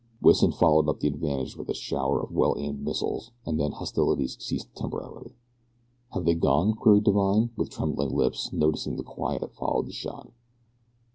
Wison followed up the advantage with a shower of well aimed missiles, and then hostilities ceased temporarily. "Have they gone?" queried Divine, with trembling lips, noticing the quiet that followed the shot.